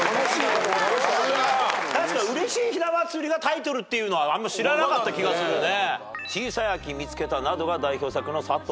確かに『うれしいひなまつり』がタイトルっていうのはあんま知らなかった気がするね。